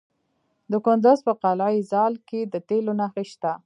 د کندز په قلعه ذال کې د تیلو نښې شته.